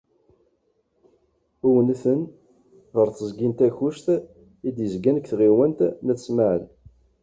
Uwn-ten ɣer teẓgi n Takkuct i d-yezgan deg tɣiwant n At Smaεel.